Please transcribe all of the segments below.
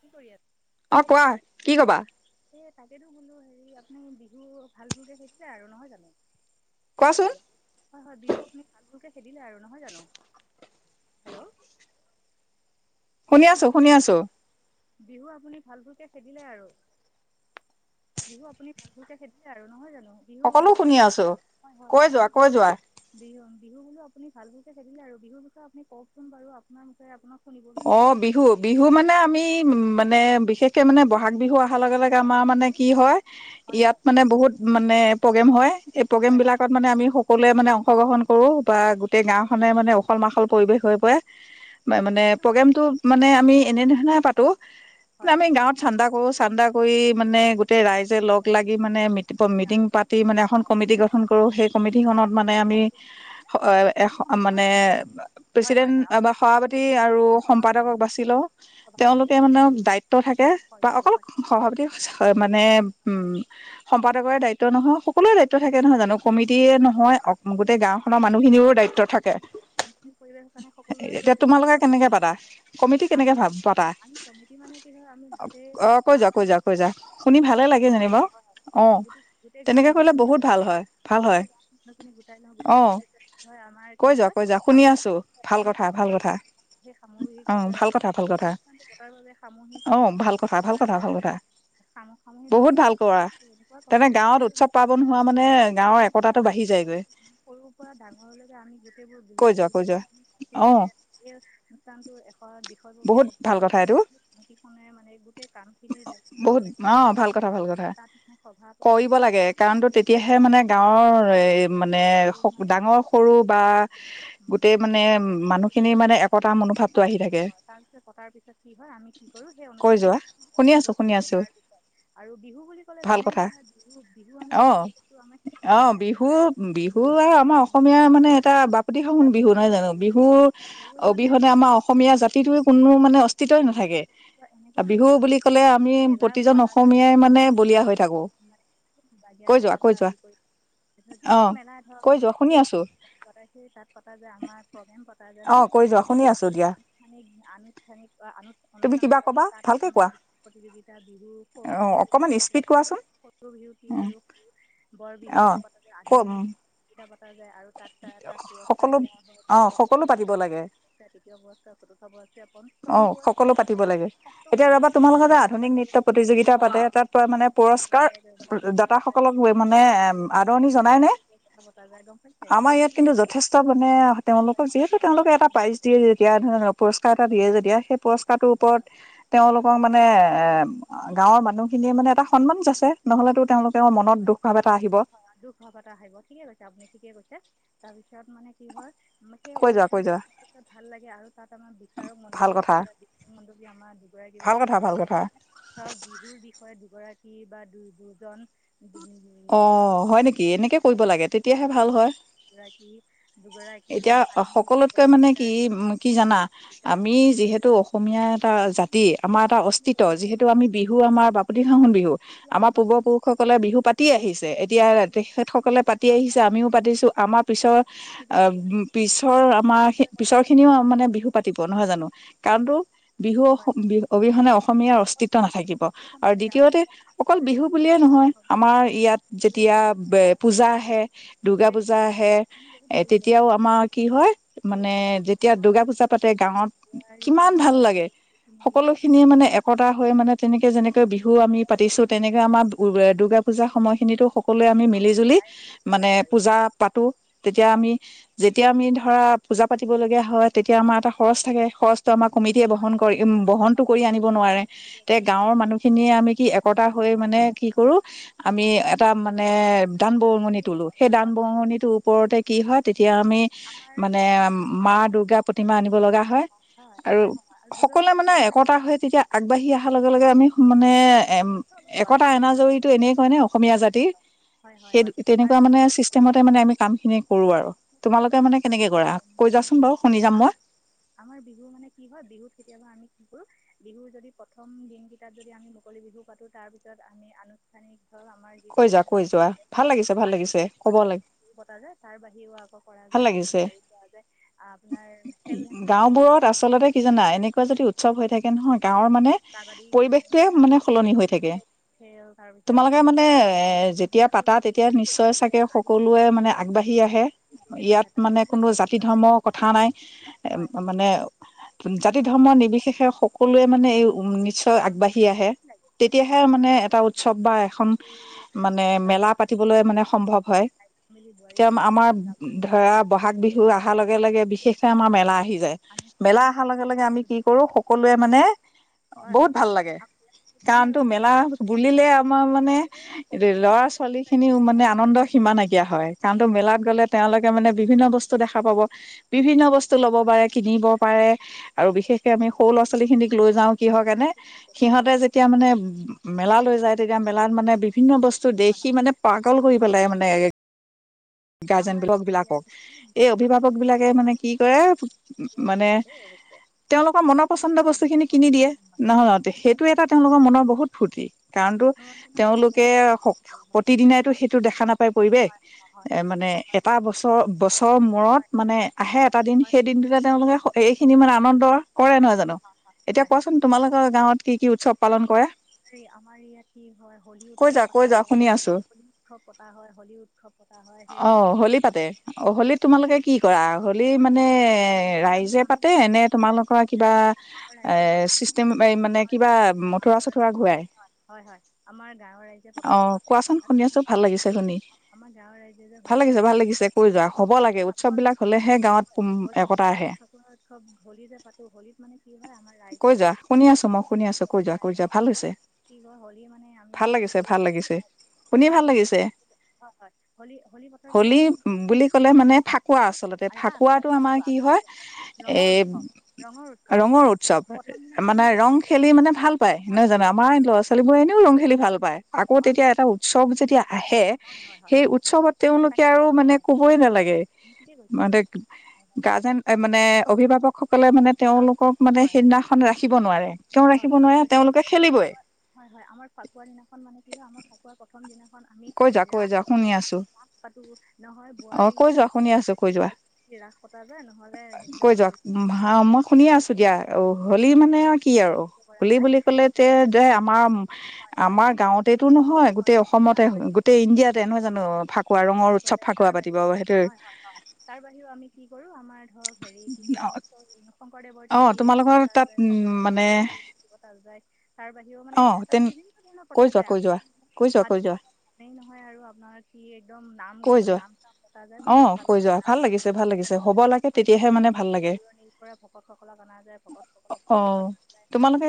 কি কৰি আ অ কোৱা কি কবা স তাকেতো বোলো হেৰি আপুনি বিহু ভাল ফুলকে খিছে আৰু নহয় জানো কোৱাচোন েল্ হয় হয় বিহু আপুনি কে খেদিলে আৰু নহয় জানো হেল্ল' শুনি আছো শুনি আছো বিহু আপুনি ভাল ভুলকে খেদিলে আৰু বিহু আপুনি ভাল ভুলকে খেদিলে আৰু নহয় জানো বিহু সকলো বি শুনি আছো হয় হয় কৈ হয় যোৱা বিহু কৈ যোৱা বিহু বিহু বোলো আপুনি ভালবোৰক খেলিলে বিুৰ বিষয় আপুনি কওকচ বাৰু আপোনাৰ বিচ আপোনাক শুনিব অ বিচাৰোঁ বিহু বিহু মানে আমি এই উ মানে বিশেষকে মানে বহাগ বিহু অহাৰ লগে লগে আমাৰ মানে কি হয় হয় ইয়াত হয় মানে বহুত মানে প্ৰগ্ৰেম হয় এই প্ৰগ্ৰেম হয় হয় বিলাকত মানে আমি সকলোৱে মানে অংশগ্ৰহণ কৰো বা গোটেই গাওখনে মানে উখল মাখল পৰিৱেশ হৈ পৰে মানে প্ৰগ্ৰেমটো মানে আমি এনে স পাতো হয় আমি হয় গাঁৱত চান্দা কৰো চান্দা কৰি মানে গোটেই ৰাইজে লগ লাগি মানে মিি মিটিং পাতি মানে এখন কমিটি গঠন কৰো সেই কমিটি খনত মানে আমি এ আপুনি সম- মানে আপ- হয় হয় প্ৰেচিডেণ্ট হয় আপুনি বা সভাপতি পৃথিৱীৰ আৰু সমাজ সম্পাদকক বাচি লওঁ সভানেত্ৰী তেওঁলোকে হয় মানে দায়িত্ব আৰু থাকে হয় বা অকল হয় সভাপতি হয় মানে উম সম্পাদকৰে দায়িত্ব নহয় কোনে য থাকে নহয় জানো বিহু কমিটিয়ে বুলি ক'লে নহয় ধৰ বিহু গোটেই গাওখনৰ আপ- মানুহখিনিৰও দায়িত্ব থাকে আনুষ্ঠানিক পৰিৱেশৰ কাৰণে সকলোৱে এতিয়া জড়িত হৈ তোমালোকে থাকিব লাগে কেনেকে পাতা কমিটি আমি কেনেকে ভ পতা আমি কমিটি মানে কি হয় আমি গোটেই অ কৈ যা গাঁৱৰ কৈ যাোৱা মানুহ কৈ যা শুনি গোটেই ভালে গাঁৱত লাগে যেনিব বাৰু অ গোটেই গোটেই গাঁৱৰ তেনেকে কৰিলে বহুত ভাল মানুহখিনি হয় ভাল হয় গোটেই গাওৰ মানুহখিনি গোটাই লওঁ গোটাই অ লোৱাৰ পিছত কি হয় আমাৰ কৈ কি যোৱা হয় কৈ যোৱা শুনি সাম আছো ভাল এখন কথা ভাল কথা সভষ অ সামহিকভাৱে ভাল কথা ভাল সেই কথা অনুষ্ঠানটো পটাৰ বাবে সামহিক অ মানে ভাল কথা অনুষ্ঠানটো ভাল পত কথা ভাল কথা যায় সামহিক বহুত ভাল অনুষ্ঠান কৰা এনেকুৱা তেনে কৰা গাঁৱত উৎসৱ পাৰ্বন হোৱা মানে যায় গাঁৱৰ একতাটো বাঢ়ি যায়গৈ সৰুৰ পৰা ডাঙৰলৈকে আমি গোটেইবোৰ কৈ যোৱা কৈ যোৱা বলোো অ যে এই টো বিষয়ববীয়া বহুত কথা ভাল পাতিব এইটো লাগিব কাম কেইখনে মানে গোটেই কামখিনিৰ দায়িত্ব বহুত মানে অ কব ভাল লাগিব কথা ভাল কথা তাত মানে সভাপতি কৰিব বা লাগে কাৰণতো সভাপতি বা, তেতিয়াহে মানে গাঁৱৰ এ সভাপিকা মানে এইবোৰ মানে ডাঙৰ সৰু বা গোটেই মানে মানুহখিনিৰ মানে একতাৰ মনোভাৱটো আহি থাকে। কটাৰ পিছত কি হয় আমি কি কৰোঁ সেই কৈ অনুষ্ঠানটো যোৱা আমি শুনি পাতিব আছো শুনি লাগিব আছো তাৰ বিষয়ে আৰু বিহু বুলি ক'লে ভাল জানেই কথা নহয় বিহু বিহু আমি অ কেনেদৰে কো আমাৰ। অ বিহু বিহু আৰু আমাৰ অসমীয়া বহাগ মানে বা এটা বাপতি পূজাত সাহোন বিহু নহয় জানো? বিহুৰ বিহুৰ মানে অবিহনে আমাৰ অসমীয়া জাতিটো কোনো মানে অস্তিতই নাথাকে। এনেকুৱা বিহু হৈছে বুলি ক'লে আমি মেলা প্ৰতিজন পলা অসমীয়াই মানে যায় বলিয়া হৈ থাকো বাগিয় কৈ যোৱা মেলাৰ কৈ পৰা যোৱা আদি কৰি অ যিকোনো মেলাই কৈ যোৱা শুনি আছো ধৰক সেই তাত পতা যায় আমাৰ প্ৰগ্ৰেম পতা যায় অ নহয় কৈ যোৱা শুনি আছো দিয়া জানোষ্ঠানিক, [unintelligible] পা যায় তুমি কিবা কবা তাত আাৰ ভালকে কোৱা নৃত্য প্ৰতিযোগিতা বিহু অ বিহু অকমান প্ৰতিযোগিতা স্পীড কোৱাচোন সৰু বিহুট আৰু সৰু বৰ অ বিহুৱট পতা যায় আধুনিক ক নৃত্য প্ৰতিযোগিত পা যায় আৰু তাত তাত পুৰস্কাৰ সকলো দিয়া হয় অ ধৰক প্ৰথম সকলো পাতিব পুৰস্কাৰ লাগে দ্বিতীয় পুৰ্কাৰ তৃতীয় পুৰস্কাৰ চতুৰ্থ পুৰস্কাৰ পঞ্চম পুৰস্কাৰ। দ ষষ্ঠ লাগে সপ্তম এতিয়া ৰবা পুৰস্কাৰো তোমাল পতা লগোকৰ যে যায় তাৰ আধুনিক বাহিৰে নৃত্য প্ৰতিযোগিতা পাতে তাত মানে কিছুমান পুৰস্কাৰ প্ৰথম পুৰস্কাৰ দাতাাসকলক দ্বিতীয় মানে পুৰস্কাৰ তৃতীয় আদৰণি পুৰস্কাৰ জনাই নে চতুৰ্থ পুৰস্কাৰ পতা যায় গম পাইছে আমাৰ সেই ইয়াত মানে কিন্তু যথেষ্ট মানে তেওঁলোকক যিহেতু তেওঁলোকে এটা হয় হয় প্ৰাইজ দিয়ে যেতিয়া পুৰস্কাৰ এটা দিয়ে যেতিয়া সেই পুৰস্কাৰ থকাটোৰ ওপৰত তেওঁলোকক মানে এই গাঁৱৰ মানুহ খিনিয়ে মানে এটা সন্মান যাঁচে আছে নহলেতো তেওঁলোক হয়, হয়, হয়, হয়, দুখ ভাৱ এটা আহিব ঠিকে কৈছে আপুনি ঠিকে কৈছে। তাৰপিছত মানে কি হয় আমাক সেই কৈ যোৱা কৈ অনুষ্ঠানটো, যোৱা ভাল লাগে আৰু তাত আমাৰ বিচাৰক ভাল মণ্ডলী কথা পতা যায় বিচাৰক মণ্ডলী আমাৰ দুগৰাকী বা ভাল কথা তিনিগৰাকী, ভাল কথা ধৰক বিহুৰ বিষয় দুগৰাক কি বা দু-দুজন। অ', হয় নেকি এনেকে কৰিব লাগে তেতিয়াহে আৰু ভাল মানে হয়, দুগৰাকী দুগৰাকী এতিয়া আধুনিক নৃত্য সকলোতকৈ মানে প্ৰতিযোগিতাৰ কি কি জানা, বিচাৰক আমি মণ্ডলী পতা হয়। যিহেতু অসমীয়া এটা তাৰপিছত সিহঁতকো জাতি আমাৰ এটা অস্তিত্ব যিহেতু আমি বিহু আমাৰ [unintelligible] বিহু আমাৰ পূৰ্বপুৰুষসকলে ঠিকে কৈছে। বিহু পাতি আহিছে এতিয়া হয় হয় তেখেতসকলে পাতি হয় আহিছে হয় আমিও পাতিছো হয় আমাৰ পিছৰ ঠিকে আহ ঠিকে পিছৰ, আমাৰ হয় পিছৰ হয় খিনিও মানে বিহু পাতিব নহয় জানোঁ। কাৰণটো বিহু হয় হয় অবিহনে অসমীয়াৰ অস্তিত্ব নাথাকিব, সচেতন আৰু নাথাকে দ্বিতীয়তে, অকল ভালেই বিহু লাগে বুলিয়ে নহয় আমাৰ ইয়াত হুঁচৰি যেতিয়া গাওঁটো পূজা আহে দূৰ্গা হুঁচৰি পূজা আহে, গাওঁখিনি বহুত এ ভাল লাগে তেতিয়াও ন আমাৰ কি হয়, আকৌ মানে ৰন্ধোৱা যেতিয়া দূৰ্গা পূজা পাতে গাঁৱত, হেৰি কিমান ভাল লাগে। গাহৰি যায় সকলো খিনিয়ে মানে একতা হৈ মানে তেনেকে যেনেকে বিহু আমি পাতিছোঁ তেনেকে আমাৰ [unintelligible] দুৰ্গা পূজা খিনিতো খ সকলোৱে আমি মিলি জুলি ভাল মানে লাগে আৰু পূজা পাতো তেতিয়া হয় আমি যেতিয়া আমি ধৰা পূজা পাতিব লগগীয়া হয় তেতিয়া আমাৰ এটা খৰচ থাকে খৰচটো আমাৰ কমিটিয়ে বহন কৰিম বহনতটো কৰি আনিব নোৱাৰে তেয়া গাঁৱৰ মানুহখিনিয়ে আমি কি একতা হয় হৈ হয় মানে কি কৰো হয় আমি হয় এটা হয় মানে দান বৰঙণি তুলো সেই হয় হয় হয় দান হয় হয় বৰঙণিটোৰ ওপৰতে কি হয় তেতিয়া আমি আমাৰ মানে মা আমাৰ দুূৰ্গাৰ প্ৰতিমা আনিব লগা হয় হয় আৰু হয় হয় হয় আৰু দুৰ্গা সকলোৱে পূজাত মানে ভালে লাগে একতা হৈ তেতিয়া আগবাঢ়ি অহাৰ লগে লগে আমি মানে এম বাৰিষা অলপ একতা বাৰিষা এনাজৰীতটো এনে অসমীয়া জাতি হয় হয় হয় আৰু তেুনেকোৱা মানে চিচতেমতে মানে আমি কাম খিনি কৰো আৰু তোমালোকে মানে কেনেকে কৰা কৈ যোৱাচোন বাৰু শুনি যাম মই আমাৰ বিহু মানে কি হয় বিহুত কেতিয়াবা আমি বিহুৰ যদি প্ৰথম দিন কেইটাত যদি আমি মুকলি বিহু পাতো তাৰ পিছত আমি আনুষ্ঠানিক আমাৰ কৈ যিটো যোৱা মান কৈ যোৱা ভাল লাগিছে ভাল লাগিছে ক'ব লাগে য তাৰ ব ভাল লাগিছে উ আপোনাৰ খেল ধেমালি পতা গাওবোৰত আচলতে খেল কি জানা এনেকুৱা যদি উৎসৱ হৈ কাবাডী থাকে নহয় গাঁওৰ খেল মানে কাবাডী খেল পৰিৱেশটোৱে মানে তাৰপিছতে সলনি হৈ থাকে খেল তাৰপিছত তোমালোকে মানে আমি এ যেতিয়া ক্ৰিকেট পাতা তেতিয়া খেল খো খো নিশ্চয় খেল চাগে আদি সকলোৱে মানে আগবাঢ়ি আহে এনেকৈ ইয়াত হেতা মানে এইবিলাক কোনো জাতি ধৰ্মৰ কথা নাই হয় মানে জাতি হয় ধৰ্ম নিৰ্বিশেষে সকলোৱে মানে এই নিশ্চয় আগবাঢ়ি আহে তেতিয়াহে আৰু মানে এটা উৎসৱ বা এখন মানে পতা মেলা যায় পাতিবলৈ মানে সম্ভৱ মিলি হয়তি বোৱাৰীসকল আমাৰ আমাৰ গাভৰুসকল ধৰা বহাগ বিহু অহাৰ লগে লগে বিশেষকে আমাৰ মেলা আহি যায় মেলা আনুষ্ঠানিক অহাৰ লগে লগে আমি কি কৰো সকলোৱে মানে হয় বহুত হয় ভাল লাগে কাৰণ আমাৰ তো ইয়াত মেলা বিভিন্ন পতা বুলিলে যায় আমাৰ মানে ভাল ক'বলৈ ল'ৰা গ'লে প্ৰত্যেকটো ছোৱালী তাৰিখতে খিনিও মানে আনন্দ সিমান নাইকিয়া হয় কাৰণো মেলাত গলে তেওঁলোকে মানে বিভিন্ন বস্তু দেখা পাব বিভিন্ন বস্তু হয় লব হয় হয় পাৰে হয় কিনিব পাৰে আৰু বিশেষকে আমি সৌল ল ছোৱলী খিনিক লৈ যাও কি হয়ৰ কাৰণে সঠিকে সিহঁতে কৈছে যেতিয়া হয় মানে মেলা লৈ কেনেকৈ যায় তেতিয়া মেলাত মানে বিভিন্ন বস্তু হয় দেখি হয় মানে পাগল কৰি হয় পেলাই মানে গাৰ্জেন আমাৰ বিলক বিলাকক ইয়াত এই আমি অভিভাৱক হয় বিলাকে হয় মানে আমি কি কৰে মানে পাওঁ দেই অৱশ্যে তেওঁলোকৰ মনৰ পচন্দ হয় বস্তু হয় খিনি কিনি দিয়ে কওকচোন নহয় হয় সেইটো এটা তেওঁলোকৰ মনৰ বহুত ফূুৰৰ্তি কাৰণতো মনোৰঞ্জনৰ তেওঁলোকে বহুত প্ৰতিদিনাইতো সেইটো হয় হয় দেখা হয় নাপায় পৰিৱেশ হয় হয় এ মানে এটা বছৰ বছৰৰ মূৰত হয় মানে হয় আহে এটা দিন হয় সেই দিনটোতে তেওঁলোকে এই ইমান আনন্দৰ হয় গাঁৱত কি কি উৎসৱ পালন আাৰ কৰে আমাৰ ইয়াত কি হয় হলী কৈ যা উৎসৱ কৈ পতা যা হয় শুনি আছো হলী উৎসৱ পতা হয় হলী উৎসৱ পতা হয়েই অঁ হোলী পাতে অঁ হোলীত তোমালোকে কি কৰা হোলী মানে ৰাইজে পাতে নে তোমালোকৰ কিবা ৰাইে গাঁৱৰ এ ৰাইজে পতা হয় চিষ্টেম মানে হয় কিবা হয় আমাৰ মথুৰা গাঁৱৰ চথুৰা ঘূৰাই হয় হয় হয় আমাৰ গাঁৱৰ অ ৰাইজেতা পাতে কোৱাচোন শুনি তাত আছো আমাৰ ভাল লাগিছে শুনি আমাৰ গাঁৱৰ ৰাইজে যে ভাল হোলী লাগিছে পাতে ভাল তাত লাগিছে মানে কৈ যোৱা হয় হয় হ'ব লাগে উৎসৱ ফাকুৱা উৎ- বিলাক হলেহে গাঁৱতম হোলী একতা আহে হলিত মানে কি হয় আমাৰ ৰাইজে কৈ যোৱা শুনি আছো মই শুনি আছো কৈ যোৱা কৈ যোৱা ভাল হৈছে কি হয় হলি মানে আমি ভাল কি লাগিছে কৰো ভাল পাতোাৰি লাগিছে শুনি ভাল লাগিছে হয় হয় হল হলী পথাৰ পিছত হোলী আমি কি বুলি ক'লে মানে ফাকুৱা আচলতে আলদা ফাকুৱাটো আমাৰ ফাটুৱা কি ফুৱ হয় ৰঙৰ এই উৎসৱ ৰঙৰ উৎসৱ ৰঙৰ উৎসৱ প্ৰথম দিনাখন মানে আমি কি ৰং কৰোঁ খেলি মানে হয় ভাল পাই নহয় জানো আমাৰ ল'ৰা ছোৱালী বোৰে হয় হয় এনেও ৰং খেলি ভাল পায় আকৌ হয় তেতিয়া এটা উৎসৱ যেতিয়া আহে হয় হয় হয় সেই উৎসৱত তেওঁলোকে তাকেতো আৰু মানে হয় কবই নালাগে আপুনি ঠিকেই কৈছে মানে হয়, হয়। গাৰ্জেন মানে তাৰপিছত অভিভাৱকসকলে মানে তেওঁলোকক তাৰপিছত হয় মানে হয় হয় সেইদিনাখন ৰাখিব নোৱাৰে কিয় হয় হয় ৰাখিব হয় থাকৈ নোৱাৰে তেওঁলোকে আৰু খেলিবই হয় হয় আমাৰ ফাকুৱা দিনাখন মানে কি হয় আমাৰ ফাকুৱা কথা কম দিনাখন আমি কৈ যোৱা কৈ ৰাস যা শুনি উৎসৱ আছো আমি ৰাস পাতোঁ নহয় অ বোৱাৰী কৈ যোৱা শুনি আছো বোৱাৰী কৈ যোৱা ছোৱালী ৰাস পতা যায় নহ'লে একদম কৈ আমাৰ যোৱা মই শুনি আছো দিয়া অ হোলী মানে আৰু কি আৰু আমন্ত্ৰিত কৰা হলী যায় বুলি ক'লে যে নহয় জানো যে আমাৰ হয় হয় আমাৰ হয় গাঁৱতেতটো নহয় গোটেই অসমত উৎসৱ লে ফাকুৱা তাৰ বাহি পাতিব সেইটো হয় হয় হয় তাৰ বাহিৰেও আমি কি কৰো আমাৰ ধৰক হেৰি কি ক আমিংকৰ শদেৱৰ অ তিথি এইবোৰ তোমালোকৰ পতা তাত যায় উম শম্দেৱৰ মানে মাধৱদেৱৰ তিথি পতা যায় তাৰ বাহিৰেও মানে অ আৰু তেন বিভিন্ন ধৰণৰ পতা কৈ যোৱা যায় আ কৈ যোৱা কৈ যোৱা কৈ ভাদৱ যোৱা স নহয় আৰু আপোনাৰ কি একদম নাম গু কৈ যোৱা নাম চাম পতা যায় অ বহুত ভাল কৈ লাগে যোৱা নাম ভাল লাগিছে ভাল লাগিছে হ'ব লাগে তেতিয়াহে মানে ভাল লাগে পৰা ভকত ক অনা যায় ভকতসকলক অ পুায় তোমালোকে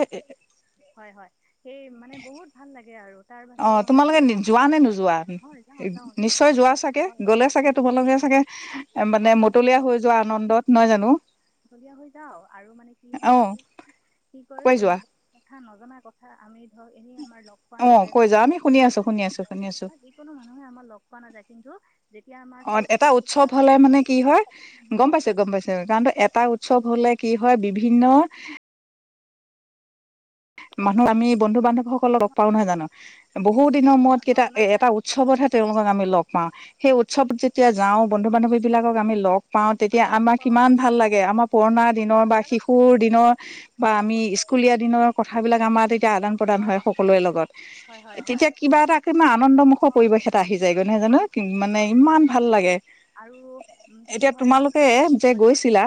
হয় হয় সেই মানে বহুত ভাল ন থাকে আৰু তাৰ অ বাহিৰেও আমাৰ তোমালোকে কি উঠ যোৱা নে নোযোৱা হয় যাওঁ যাওঁ নিশ্চয় যোৱা চাগে গ'লে চাগে তোমালোকে চাগে মানে মতলীয়া হৈ যোৱা আনন্দত নহয় জানো যাওঘলীয়া হৈ যাও আৰু মানে কি হয় অ আৰু কি কৰে কৈ যোৱা ক নজনা কথা আমি এনেই আমাৰ লগ পোৱা অ নাযায় কৈ যোৱা বোৱাৰী আমি শুনি আছো শুনি আছো বোৱাৰীসকল শুনি আছো যিকোনো মানুহে আমাৰ লগ পোৱা নাযায় কিন্তু যেতিয়া আমাৰ অ সেই এটা উৎসৱটো উৎসৱ পতা হলে মানে কি হয় গম পাইছে গম পাইছে কাৰণ যোৱাায় এটা উৎসৱ হলে কি হয় [inaudible] মানুহ আমি বন্ধু বান্ধৱসকল সকলো লগ পাৰো নহয় জানো বহু দিনৰ মূৰত মানুহ কেইটা নজনা এ কথা এটা উৎসৱতহে তেওঁলোকক আমি লগ পাওঁ সেই উৎসৱত যেতিয়া তাৰ যাওঁ কাৰণে বন্ধু বান্ধৱী বিলাকক আমি লগ পাওঁ আৰু তেতিয়া লগ আমাক পাওঁ কিমান আমি ভাল লাগে আমাৰ পুৰণা আমি দিনৰ বা বাৰ্তালাপ কৰোঁ শিশুৰ দিনৰ বা বাৰ্তালাপ আমি কৰিব স্কুলীয়া দিনৰ কামাতে এতিয়া আদান প্ৰদান হয় সকলোৰে লগত হয় হয় হয় তেতিয়া কিবা এটা ইমান আনন্দমুখৰ পৰিৱেশ এটা আহি যায়গৈ নহয় জানো আমি- মানে ইমান ভাল লাগে আৰু উম, কি এতিয়া হয় আমি তোমালোকে যে হয় হয় গৈছিলা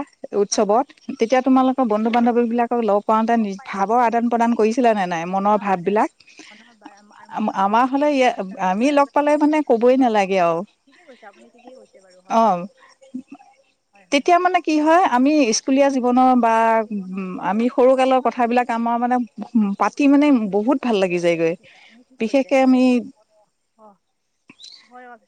হয় হয় উৎসৱত তেতিয়া হয় তোমালোকৰ বন্ধু বান্ধৱী বিলাক অলপ ওঁটা নি গম ভাল পাইছোঁ বহুত ন মনৰ ম ভাৱ আদান ভাকাৰ মনৰ বা- আৰু মনৰ ভাৱ হ বাৰ্তালাপ কৰা আমিাল যায় মান ক হয় হয় নালে অ ঠিকেই কৈছে আপুনি ঠিকেই কৈছে বাৰু হয় হয় হয় হয় তেতিয়া হয় মে কি হয় আমি হয় স্ জনৰ আচলতে জীৱনৰ পুৰণা আ কথাবিলাক সৰুকালৰ আমাৰ কথাবিলাক কামাৰ মানে পাতি মানে বহুত ভাল লাগি যায়গৈ আপুনি ঠিক কৈছে বিশেষকে আমি অঁ হয় হয়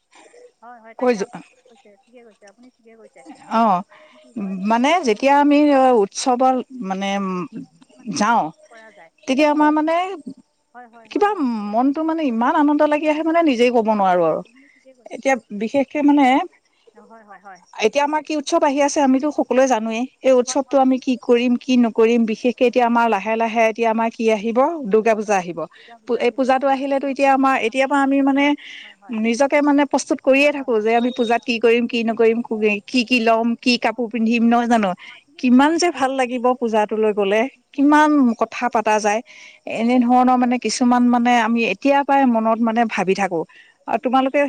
হয় হয় কৈ তাকে আপ যো- কৈছে ঠিকে কৈছে আপুনি ঠিকে কৈছে অ আমাৰ কি হয় মানে যেতিয়া আমি উৎসৱৰ বহুত মানে উ মানে যাওঁ কৰা যায় তেতিয়া আমাৰ উম, মানে হয় হয় হয় কিবা হয় মনটো মানে ইমান আনন্দ লাগি হয় আহে মানে নিজেই ক'ব হয় নোৱাৰো হয় হয় আৰু তুমি ঠিকে কৈছে এতিয়া ঠিকে কৈছে বিশেষকে মানে হয় হয় হয় এতিয়া আমাৰ কি উৎসৱ আহি আছে আমিতো সকলোৱলৈ জানোৱেই এই হয় হয় উৎসৱতটো হয় আমি কি কৰিম কি নকৰিম বিশেষকে এতিয়া আমাৰ লাহে লাহে এতিয়া আমাৰ কি আহি আহ দুৰ্গা পূজা আহিব দুৰ্গা পূজা এই আহিব পূজাটো ৰাভা আহিলেতো দিৱস এতিয়া পাতিব আমাৰ লগা এতিয় হৈছে পৰা আমি মানে হয় হয় নিজকে মানে প্ৰস্তুত কৰিয়ে হয় হয় থাকো হয় যে হয় আমি হয় পূজাত কি কৰিম কি নম কি কি ল'ম কি কাপোৰ পিন্ধিম নহয় জানো হয় ঠিকে কৈছে কিমান আপুনি যে ভাল লাগিব পূজাটো লৈ গলে এইটো কিমান কথা পতা যায় এনে ধৰণৰ মানে কিছুমান মানে আমি এতিয়া পৰাই মনত মানে ভাবি থাকো আৰু তোমালোকে